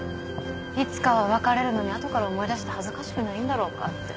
いつかは別れるのに後から思い出して恥ずかしくないんだろうかって。